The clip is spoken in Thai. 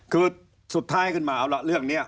คือสุดท้ายขึ้นมาเอาละเรื่องนี้